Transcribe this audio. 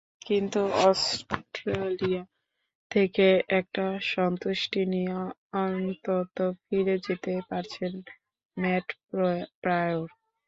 কিন্তু অস্ট্রেলিয়া থেকে একটা সন্তুষ্টি নিয়ে অন্তত ফিরে যেতে পারছেন ম্যাট প্রায়র।